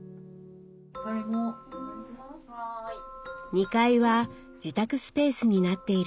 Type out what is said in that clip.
２階は自宅スペースになっているそう。